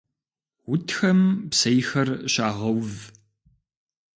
Утхэм псейхэр щагъэув.